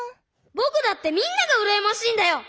ぼくだってみんながうらやましいんだよ！